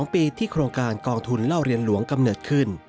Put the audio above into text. ๒ปีที่โครงการกองทุนเล่าเรียนหลวงกำเนิดขึ้น